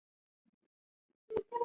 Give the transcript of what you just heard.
利乌克。